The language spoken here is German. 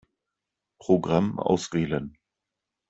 Programm auswählen.